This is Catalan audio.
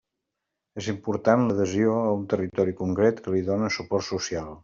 És important l'adhesió a un territori concret que li done suport social.